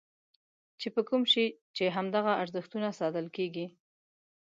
چې په کوم شي چې همدغه ارزښتونه ساتل کېږي.